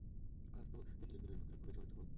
আর তো– দেখিলেন বিনয়ের ভাবখানা পূর্বের চেয়ে অনেকটা নরম।